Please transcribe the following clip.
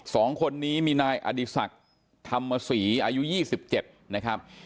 สองคนนี้มีนายอดิษักร์ธรรมสีอายุ๒๗นะครับ